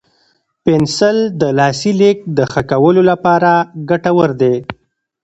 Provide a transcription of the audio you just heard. پنسل د لاسي لیک د ښه کولو لپاره ګټور دی.